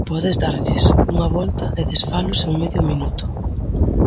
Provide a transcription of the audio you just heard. Podes darlles unha volta e desfalos en medio minuto.